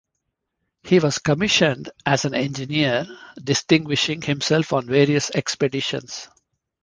He was commissioned as an engineer, distinguishing himself on various expeditions.